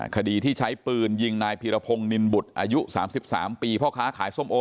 คดีที่ใช้ปืนยิงนายพีรพงศ์นินบุตรอายุ๓๓ปีพ่อค้าขายส้มโอ